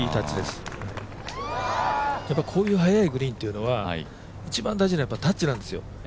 こういう速いグリーンというのは一番大事なのはタッチなんですよ。